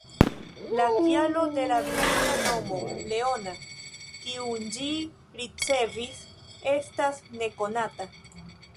La kialo de la virina nomo, ""Leona"", kiun ĝi ricevis, estas nekonata.